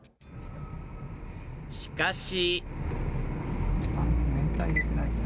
しかし。